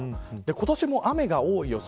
今年も雨が多い予想